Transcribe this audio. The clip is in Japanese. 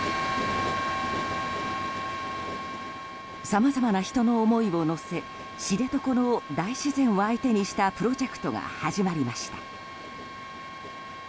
さまざまな人の思いを乗せ知床の大自然を相手にしたプロジェクトが始まりました。